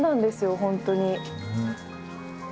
本当に。